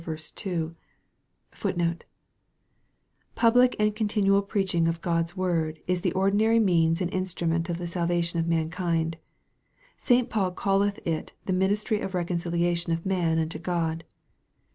*" Public and continual preaching of G od's word is the ordinary means and instrument of the salvation of mankind. St. Paul calleth it the ministry of reconciliation of man unto God.